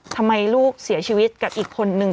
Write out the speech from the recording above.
ทำไมลูกเสียชีวิตกับอีกคนนึง